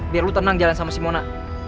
biar lu tenang jalan sama simona